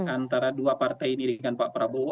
antara dua partai ini dengan pak prabowo